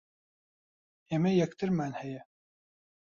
ئێمە یەکترمان ھەیە.